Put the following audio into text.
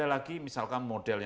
ada lagi misalkan model yang kaya